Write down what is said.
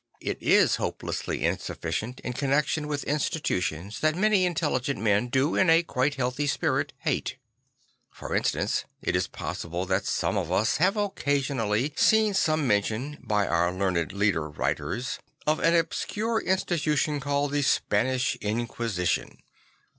I t is hopelessly insufficient in connection with institutions that many intelligent men do in a quite healthy spirit hate. For instance, it is possible that some of us have occasionally seen some mention, by our learned leader writers, of an obscure institution called the Spanish Inquisi tion.